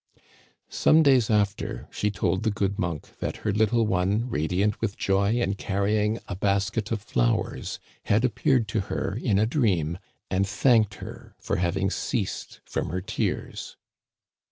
*" Some days after, she told the good monk that her little one, radiant with joy and carrying a basket of flowers, had appeared to her in a dream and thanked her for having ceased from her tears.